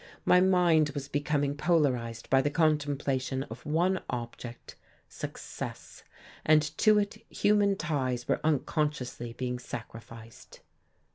My mind was becoming polarized by the contemplation of one object, success, and to it human ties were unconsciously being sacrificed.